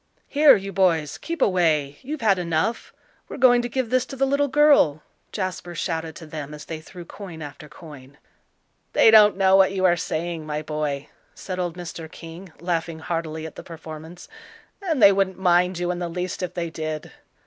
"Here, you boys, keep away; you've had enough; we're going to give this to the little girl," Jasper shouted to them as they threw coin after coin. "They don't know what you are saying, my boy," said old Mr. King, laughing heartily at the performance, "and they wouldn't mind you in the least if they did."